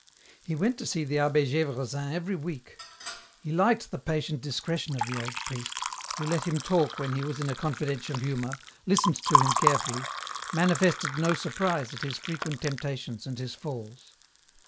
He went to see the Abbe G^vresin every week. He liked the patient discretion of the old priest, who let him talk when he was in a confidential humour, listened to him carefully, manifested no surprise at his frequent temptations and his falls.